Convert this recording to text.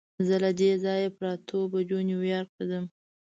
زه له دې ځایه پر اتو بجو نیویارک ته ځم.